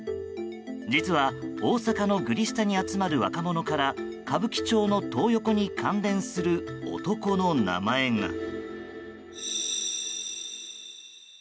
実は、大阪のグリ下に集まる若者から歌舞伎町のトー横に関連する男の名前が。